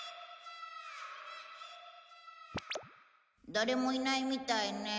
誰もいないみたいね。